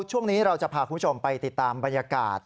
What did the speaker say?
ช่วงนี้เราจะพาคุณผู้ชมไปติดตามบรรยากาศ